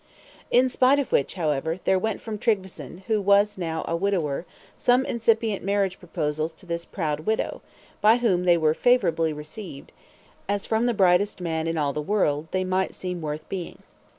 In spite of which, however, there went from Tryggveson, who was now a widower, some incipient marriage proposals to this proud widow; by whom they were favorably received; as from the brightest man in all the world, they might seem worth being.